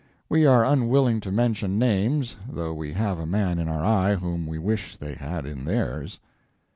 We are unwilling to mention names though we have a man in our eye whom we wish they had in theirs.